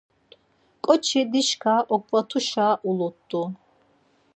ǩoçi dişka oǩvatuşa ulut̆u.